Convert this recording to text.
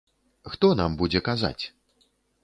Хто нам будзе казаць?